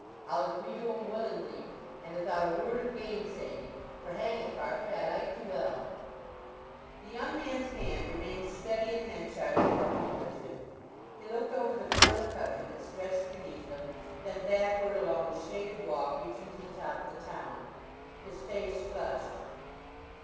I'll agree to 'em willingly and 'ithout a word of gainsaying; for, hang it, Farfrae, I like thee well!" The young man's hand remained steady in Henchard's for a moment or two. He looked over the fertile country that stretched beneath them, then backward along the shaded walk reaching to the top of the town. His face flushed.